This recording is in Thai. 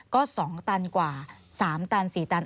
ก็๒ตันกว่า๓ตัน๔ตัน